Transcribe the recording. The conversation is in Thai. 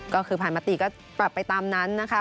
ก็คือผ่านมติก็ปรับไปตามนั้นนะคะ